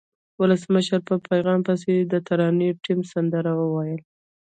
ولسمشر په پیغام پسې د ترانې ټیم سندره وویله.